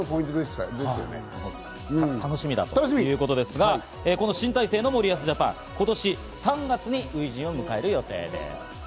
楽しみだということですが、この新体制の森保ジャパン、今年３月に初陣を迎える予定です。